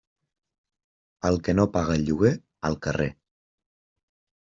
El que no paga lloguer, al carrer.